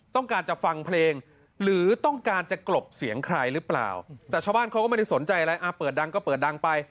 ต้องการจะฟังเพลงหรือต้องการจะกลบเสียงใครหรือเปล่าแต่ชาวบ้านเขาก็ไม่ได้สนใจอะไรเปิดดังก็เปิดดังไป